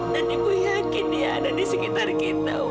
dan ibu yakin dia ada di sekitar kita wih